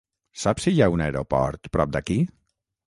Saps si hi ha un aeroport prop d'aquí?